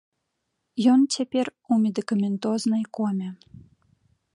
Ён цяпер у медыкаментознай коме.